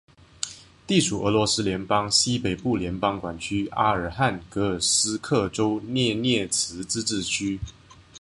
隶属俄罗斯联邦西北部联邦管区阿尔汉格尔斯克州涅涅茨自治区。